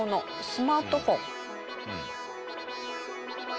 スマートフォン。